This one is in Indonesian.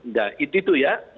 nah itu ya